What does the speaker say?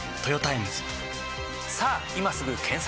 さぁ今すぐ検索！